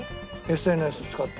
ＳＮＳ使って。